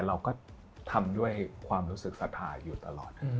เราก็ทำด้วยความรู้สึกศรัทธาอยู่ตลอด